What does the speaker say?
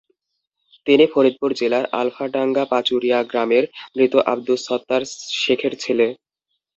তিনি ফরিদপুর জেলার আলফাডাঙ্গা পাচুরিয়া গ্রামের মৃত আবদুস সত্তার শেখের ছেলে।